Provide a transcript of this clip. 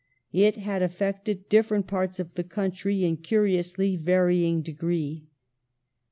It had affected different parts of the country in curiously varying degree.